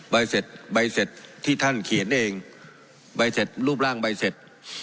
ใบเสร็จที่ท่านเขียนเองใบเสร็จรูปร่างใบเสร็จ